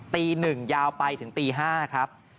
ตีหนึ่งยาวไปถึงตีห้าครับ